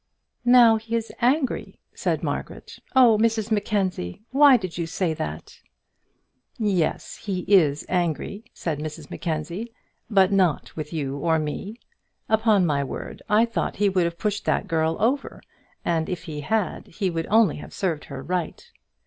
"Now he is angry," said Margaret. "Oh, Mrs Mackenzie, why did you say that?" "Yes; he is angry," said Mrs Mackenzie, "but not with you or me. Upon my word, I thought he would have pushed that girl over; and if he had, he would only have served her right."